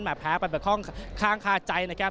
มาแพ้ไปเป็นข้างคาใจนะครับ